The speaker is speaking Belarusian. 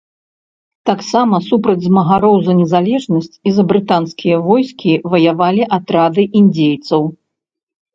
Таксама супраць змагароў за незалежнасць і за брытанскія войскі ваявалі атрады індзейцаў.